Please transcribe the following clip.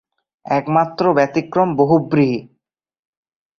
একমাত্র ব্যতিক্রম বহুব্রীহি।